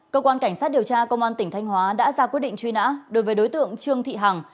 cơ quan cảnh sát điều tra công an tỉnh thanh hóa đã ra quyết định truy nã đối với đối tượng trương thị hằng